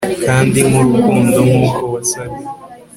kandi nkurukundo nkuko wasaga